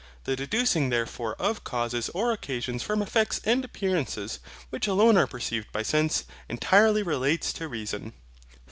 The deducing therefore of causes or occasions from effects and appearances, which alone are perceived by sense, entirely relates to reason.